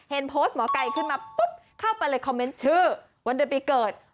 โพสต์หมอไก่ขึ้นมาปุ๊บเข้าไปเลยคอมเมนต์ชื่อวันเดือนปีเกิด